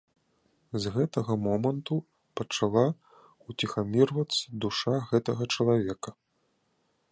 З гэтага моманту пачала ўціхамірвацца душа гэтага чалавека.